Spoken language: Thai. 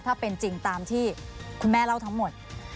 ถ้าเป็นจริงตามที่คุณแม่เล่าทั้งหมด